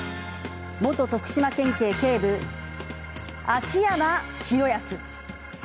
元徳島県警警部秋山博康。